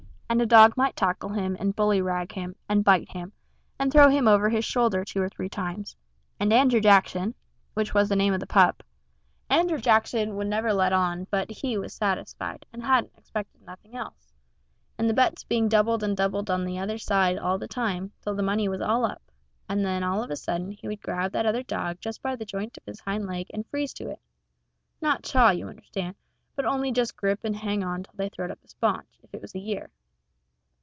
And a dog might tackle him and bully rag him, and bite him, and throw him over his shoulder two or three times, and Andrew Jackson which was the name of the pup Andrew Jackson would never let on but what he was satisfied, and hadn't expected nothing else and the bets being doubled and doubled on the other side all the time, till the money was all up; and then all of a sudden he would grab that other dog just by the j'int of his hind leg and freeze to it not chaw, you understand, but only just grip and hang on till they throwed up the sponge, if it was a year.